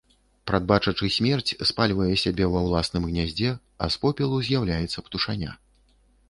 Прадбачачы смерць, спальвае сябе ва ўласным гняздзе, а з попелу з'яўляецца птушаня.